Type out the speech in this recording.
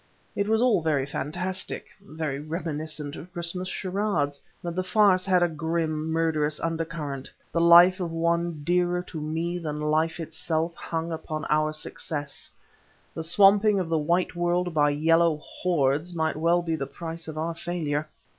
It was all very fantastic, very reminiscent of Christmas charades, but the farce had a grim, murderous undercurrent; the life of one dearer to me than life itself hung upon our success; the swamping of the White world by Yellow hordes might well be the price of our failure.